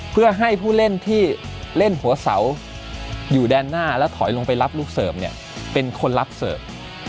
เพื่อให้ผู้เล่นที่เล่นหัวเสาอยู่แดนหน้าแล้วถอยลงไปรับลูกเสิร์ฟเนี่ยเป็นคนรับเสิร์ฟ